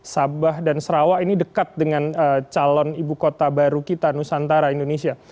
sabah dan sarawak ini dekat dengan calon ibu kota baru kita nusantara indonesia